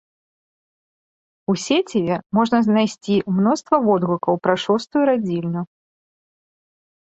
У сеціве можна знайсці мноства водгукаў пра шостую радзільню.